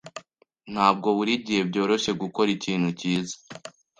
Ntabwo buri gihe byoroshye gukora ikintu cyiza.